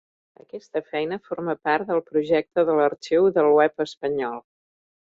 Aquesta feina forma part del projecte de l'Arxiu del web espanyol.